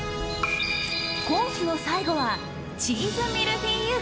コースの最後はチーズミルフィーユ